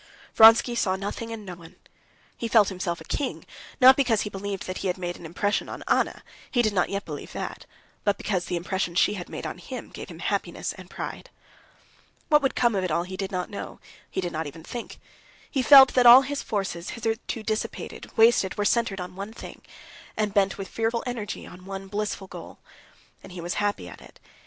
Vronsky saw nothing and no one. He felt himself a king, not because he believed that he had made an impression on Anna—he did not yet believe that,—but because the impression she had made on him gave him happiness and pride. What would come of it all he did not know, he did not even think. He felt that all his forces, hitherto dissipated, wasted, were centered on one thing, and bent with fearful energy on one blissful goal. And he was happy at it.